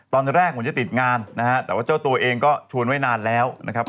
ตอนแรกเหมือนจะติดงานนะฮะแต่ว่าเจ้าตัวเองก็ชวนไว้นานแล้วนะครับ